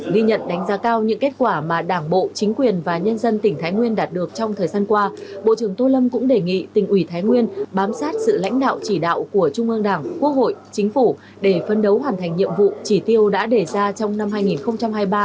ghi nhận đánh giá cao những kết quả mà đảng bộ chính quyền và nhân dân tỉnh thái nguyên đạt được trong thời gian qua bộ trưởng tô lâm cũng đề nghị tỉnh ủy thái nguyên bám sát sự lãnh đạo chỉ đạo của trung ương đảng quốc hội chính phủ để phân đấu hoàn thành nhiệm vụ chỉ tiêu đã đề ra trong năm hai nghìn hai mươi ba